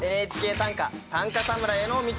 「ＮＨＫ短歌短歌侍への道」。